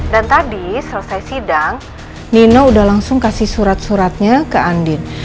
dan tadi selesai sidang nino udah langsung kasih surat suratnya ke andin